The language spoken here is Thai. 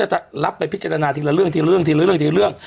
จะรับไปพิจารณาทีละเรื่อง